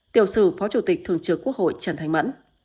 tiểu sử phó chủ tịch thường trưởng quốc hội trần thành mẫn